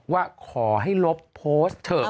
ว่าขอให้ลบโพสต์เถอะ